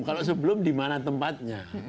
kalau sebelum di mana tempatnya